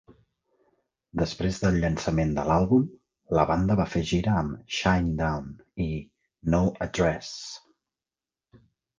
Després del llançament de l'àlbum, la banda va fer gira amb "Shinedown " i "No Address".